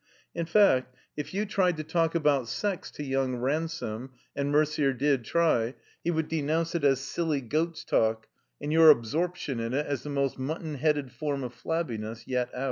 In fact, if you tried to talk about sex to young Ransome (and Mercier did try) he would denounce it as "silly goat's talk,*' and your absorption in it as " the most mutton headed form of Flabbiness yet out."